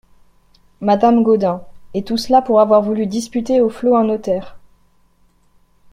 Madame Gaudin Et tout cela pour avoir voulu disputer aux flots un notaire !